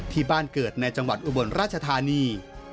ที่บ้านเกิดในจังหวัดอุบลราชธานี